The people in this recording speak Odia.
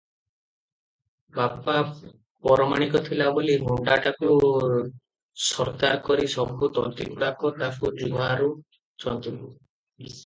ବାପା ପରମାଣିକ ଥିଲା ବୋଲି ହୁଣ୍ତାଟାକୁ ସରଦାର କରି ସବୁ ତନ୍ତୀଗୁଡ଼ାକ ତାକୁ ଜୁହାରୁଛନ୍ତି ।